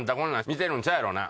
「見てるんちゃうやろうな？」